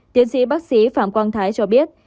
tiến sĩ bác sĩ phạm quang thái cho biết